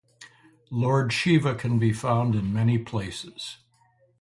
Lord Shiva can be found in many places.